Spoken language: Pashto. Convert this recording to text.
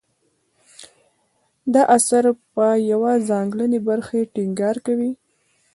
دا اثر په یوې ځانګړې برخې ټینګار کوي.